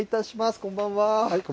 こんばんは。